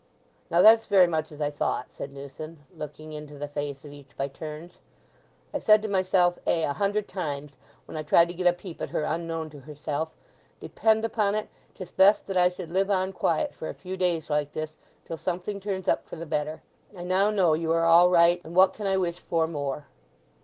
"Now, that's very much as I thought," said Newson, looking into the face of each by turns. "I said to myself, ay, a hundred times, when I tried to get a peep at her unknown to herself—'Depend upon it, 'tis best that I should live on quiet for a few days like this till something turns up for the better.' I now know you are all right, and what can I wish for more?"